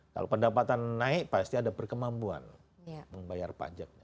kalau pendapatan naik pasti ada perkemampuan membayar pajak